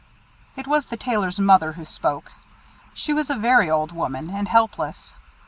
It was the Tailor's mother who spoke. She was a very old woman, and helpless.